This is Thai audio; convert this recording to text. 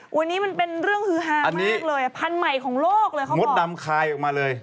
วันนี้มันเป็นเรื่องฮือฮามากเลยอ่ะพันธุ์ใหม่ของโลกเลยเขาบอกมดดำคลายออกมาเลย